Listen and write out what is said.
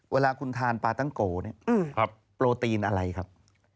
เวลาคุณทานปลาตั้งโกเนี่ยโปรตีนอะไรครับ